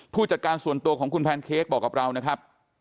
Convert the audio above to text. ผู้จัดการส่วนตัวของคุณแพนเค้กบอกกับเรานะครับ